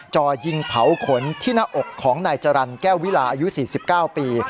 จ่อยิงเผาขนที่หน้าอกของนายจรรย์แก้ววิลาอายุ๔๙ปี